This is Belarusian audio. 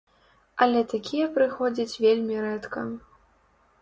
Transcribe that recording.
Але такія прыходзяць вельмі рэдка!